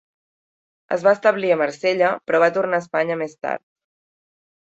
Es va establit a Marsella, però va tornar a Espanya més tard.